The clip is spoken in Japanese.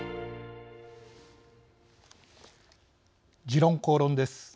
「時論公論」です。